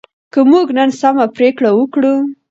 که موږ نن سمه پریکړه وکړو.